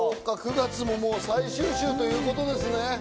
９月ももう最終週ということですね。